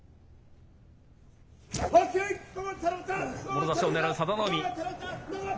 もろ差しを狙う佐田の海。